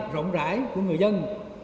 rộng rãi của người dân